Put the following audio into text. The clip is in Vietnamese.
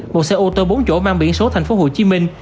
một xe ô tô bốn chỗ mang biển số thành phố hồ chí minh